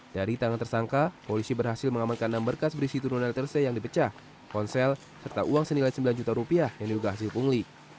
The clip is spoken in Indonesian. dari tangan tersangka polisi berhasil mengamankan enam berkas berisi turunan ltc yang dipecah ponsel serta uang senilai sembilan juta rupiah yang diduga hasil pungli